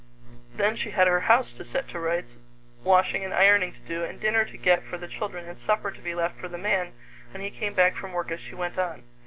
Then she had her house to set to rights, washing and ironing to do, and dinner to get for the children and supper to be left for the man when he came back from work as she went on.